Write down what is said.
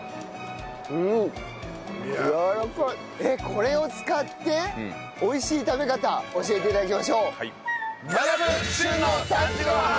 これを使って美味しい食べ方教えて頂きましょう。